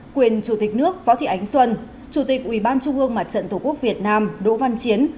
quyền chủ tịch nước võ thị ánh xuân chủ tịch ủy ban trung ương mặt trận tổ quốc việt nam đỗ văn chiến